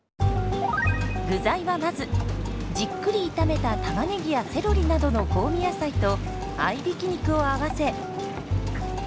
具材はまずじっくり炒めたタマネギやセロリなどの香味野菜と合いびき肉を合わせ。